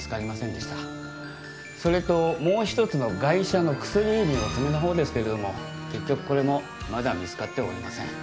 それともう１つのガイシャの薬指の爪のほうですけれども結局これもまだ見つかっておりません。